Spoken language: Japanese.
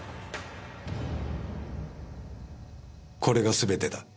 これが全てだ。